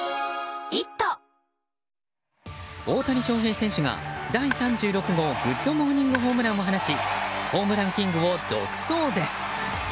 大谷翔平選手が第３６号グッドモーニングホームランを放ちホームランランキングを独走です。